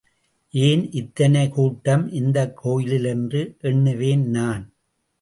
ஏன் இத்தனை கூட்டம் இந்தக் கோயிலில் என்று எண்ணுவேன் நான்.